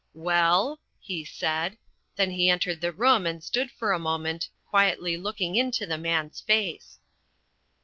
"Well?" he said. Then he entered the room and stood for a moment quietly looking into The Man's face.